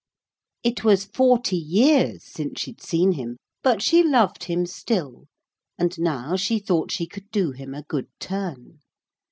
It was forty years since she'd seen him, but she loved him still, and now she thought she could do him a good turn.